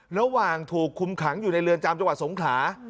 ระหว่างถูกคุมขังอยู่ในเรือนจำจังหวัดสงขลา